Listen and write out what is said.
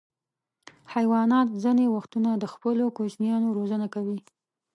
حیوانات ځینې وختونه د خپلو کوچنیانو روزنه کوي.